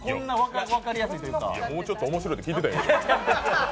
いや、もうちょっと面白いって聞いてたんや。